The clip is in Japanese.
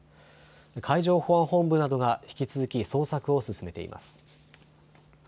海上保安本部などが引き続き捜索を進めています。